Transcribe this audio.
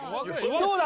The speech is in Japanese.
どうだ？